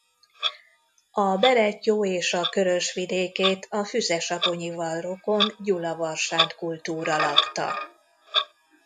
A Berettyó és a Körös vidékét a Füzesabonyival rokon Gyulavarsánd-kultúra lakta.